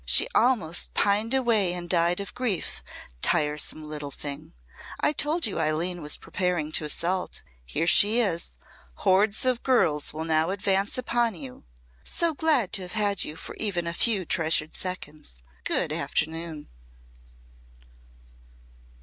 She almost pined away and died of grief, tiresome little thing! I told you Eileen was preparing to assault. Here she is! Hordes of girls will now advance upon you. So glad to have had you even for a few treasured seconds. Good afternoon."